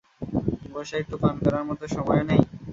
বসে একটু পান করার মতো সময়ও নেই?